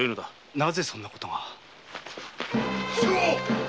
なぜそんな事が？